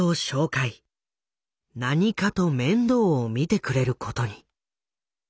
何かと面倒を見てくれることに。